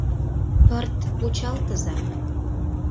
Пырт вучалтыза.